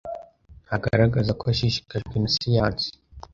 Ntagaragaza ko ashishikajwe na siyansi.